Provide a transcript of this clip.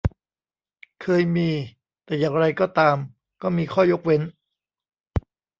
เคยมี แต่อย่างไรก็ตาม ก็มีข้อยกเว้น